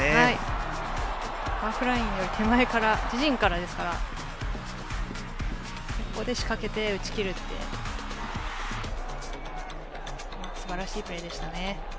ハーフラインより手前から自陣からですからそして、仕掛けて打ち切るというすばらしいプレーでしたね。